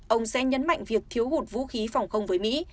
ông sẽ nhấn mạnh việc thiếu hụt vũ khí phòng không với mỹ